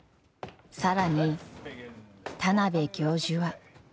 更に田邊教授は。